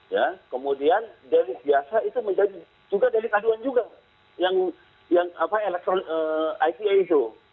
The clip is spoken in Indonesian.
ya kemudian dari biasa itu menjadi juga dari aduan juga yang ite itu